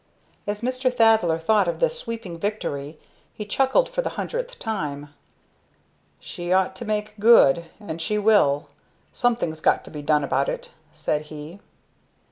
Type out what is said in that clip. As Mr. Thaddler thought of this sweeping victory, he chuckled for the hundredth time. "She ought to make good, and she will. Something's got to be done about it," said he.